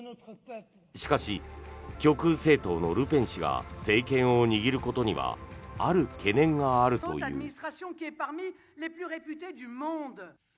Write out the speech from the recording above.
しかし、極右政党のルペン氏が政権を握ることにはある懸念があるという。